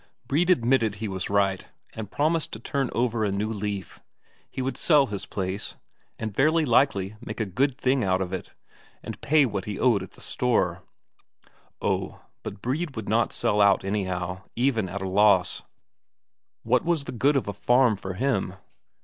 Brede admitted he was right, and promised to turn over a new leaf he would sell his place, and very likely make a good thing out of it and pay what he owed at the store! Oh, but Brede would sell out anyhow, even at a loss; what was the good of a farm for him?